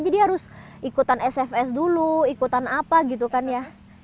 jadi harus ikutan sfs dulu ikutan apa gitu kan ya